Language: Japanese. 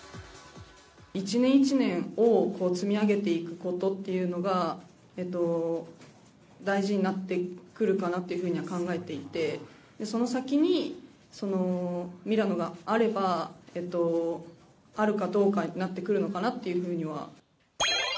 一年一年を積み上げていくことっていうのが、大事になってくるかなっていうふうには考えていて、その先に、ミラノがあれば、あるかどうかになってくるのかなっていうふうには。